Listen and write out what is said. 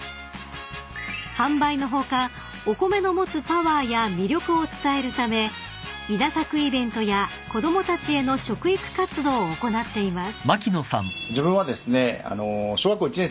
［販売の他お米の持つパワーや魅力を伝えるため稲作イベントや子供たちへの食育活動を行っています］